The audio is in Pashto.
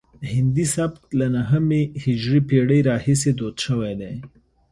هندي سبک له نهمې هجري پیړۍ راهیسې دود شوی دی